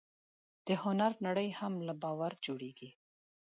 د هنر نړۍ هم له باور جوړېږي.